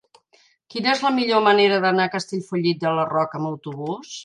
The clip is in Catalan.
Quina és la millor manera d'anar a Castellfollit de la Roca amb autobús?